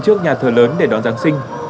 trước nhà thờ lớn để đón giáng sinh